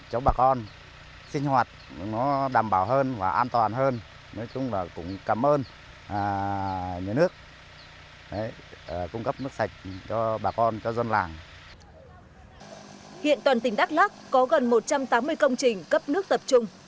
hiện toàn tỉnh đắk lắc có gần một trăm tám mươi công trình cấp nước tập trung